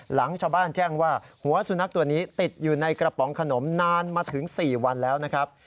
หลังชาวบ้านแจ้งว่าหัวสุนัขตัวนี้ติดอยู่ในกระป๋องขนมนานมาถึง๔วันแล้วนะครับ